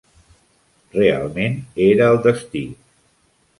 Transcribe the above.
Realment era el destí.